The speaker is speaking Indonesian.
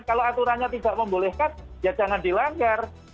kalau aturannya tidak membolehkan ya jangan dilanggar